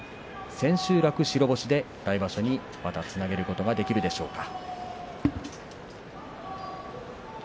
千秋楽を白星で、また来場所につなげることができるでしょうか。